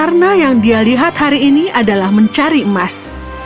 karena apa yang dia lihat hari ini adalah mencari emas